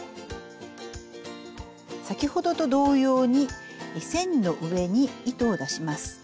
先ほどと同様に線の上に糸を出します。